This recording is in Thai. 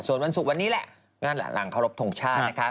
ส่วนวันสุกวันนี้แหละงานหลังเคารพทุนชาตินะคะ